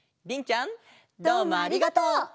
どうもありがとう！